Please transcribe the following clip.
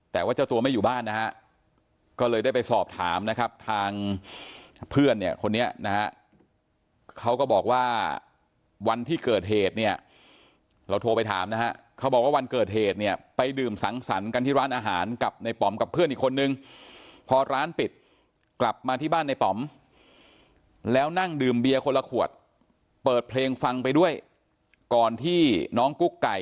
แต่ว่าเจ้าตัวไม่อยู่บ้านนะฮะก็เลยได้ไปสอบถามนะครับทางเพื่อนเนี่ยคนนี้นะฮะเขาก็บอกว่าวันที่เกิดเหตุเนี่ยเราโทรไปถามนะฮะเขาบอกว่าวันเกิดเหตุเนี่ยไปดื่มสังสรรค์กันที่ร้านอาหารกับในป๋อมกับเพื่อนอีกคนนึงพอร้านปิดกลับมาที่บ้านในป๋อมแล้วนั่งดื่มเบียร์คนละขวดเปิดเพลงฟังไปด้วยก่อนที่น้องกุ๊กไก่